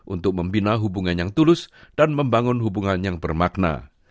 untuk membina hubungan yang tulus dan membangun hubungan yang bermakna